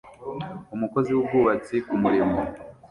Umukozi wubwubatsi kumurimo